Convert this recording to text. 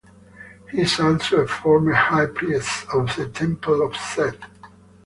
He is also a former High Priest of the Temple of Set.